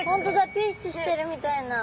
ピースしてるみたいな。